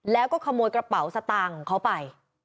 แล้วก็ขโมยกระเป๋าสตางค์ของเขาไป